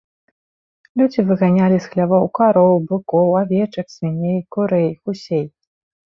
Людзі выганялі з хлявоў кароў, быкоў, авечак, свіней, курэй, гусей.